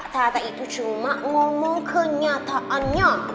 ternyata itu cuma ngomong kenyataannya